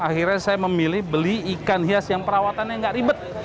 akhirnya saya memilih beli ikan hias yang perawatannya nggak ribet